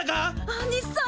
アニさん！